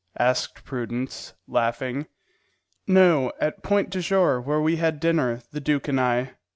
asked Prudence, laughing. "No, at Point du Jour, where we had dinner, the duke and I.